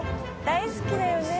大好きだよね